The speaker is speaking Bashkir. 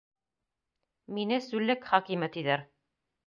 — Мине сүллек хакимы, тиҙәр.